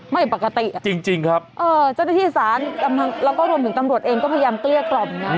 ไม่ปกติอ่ะจริงครับเอ่อจตที่ศาลเราก็รวมถึงตำรวจเองก็พยายามเตรียกกล่อมเนี่ย